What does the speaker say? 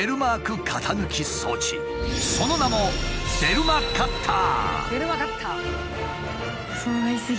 その名も「ベルマカッター」！